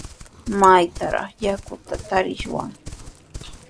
¿Maytrawraq yakuta tarishwan?